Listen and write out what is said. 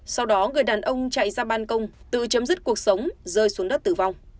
sau đó người đàn ông chạy ra ban công tự chấm dứt cuộc sống rơi xuống đất tử vong